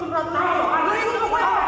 aduh lu mau berikut masjid